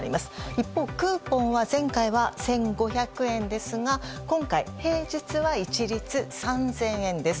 一方、クーポンは前回は１５００円ですが今回、平日は一律３０００円です。